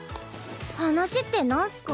話ってなんスか？